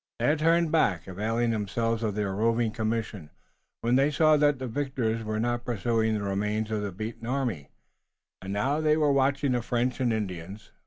They had turned back, availing themselves of their roving commission, when they saw that the victors were not pursuing the remains of the beaten army, and now they were watching the French and Indians.